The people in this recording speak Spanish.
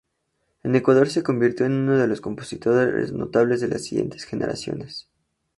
En Ecuador se convirtió en uno de los "compositores notables de las siguientes generaciones".